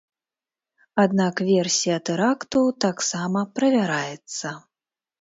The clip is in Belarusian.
Аднак версія тэракту таксама правяраецца.